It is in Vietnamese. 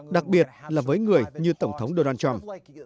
đặc biệt là với người như tổng thống donald trump